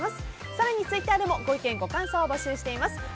更にツイッターでもご意見、ご感想を募集しています。